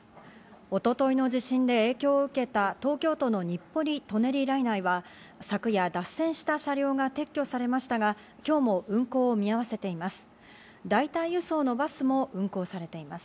一昨日の地震で影響を受けた東京都の日暮里・舎人ライナーは、昨夜、脱線した車両は撤去されましたが、今日も運行を見合わせています。